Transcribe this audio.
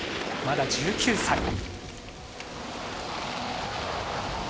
まだ１９歳。